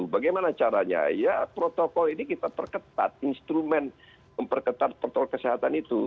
bagaimana caranya ya protokol ini kita perketat instrumen memperketat protokol kesehatan itu